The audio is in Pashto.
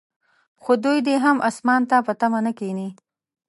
خو دوی دې هم اسمان ته په تمه نه کښیني.